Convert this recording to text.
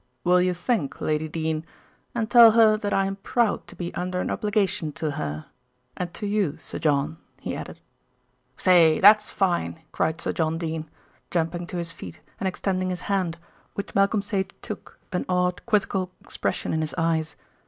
"Will you thank Lady Dene and tell her that I am proud to be under an obligation to her and to you, Sir John," he added. "Say, that's fine," cried Sir John Dene, jumping to his feet and extending his hand, which Malcolm Sage took, an odd, quizzical expression in his eyes.